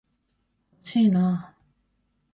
惜しいな。